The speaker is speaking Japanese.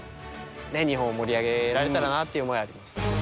日本を盛り上げられたらなという思いはあります。